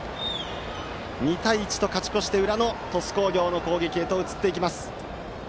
２対１と勝ち越して裏の鳥栖工業の攻撃へと移っていきます。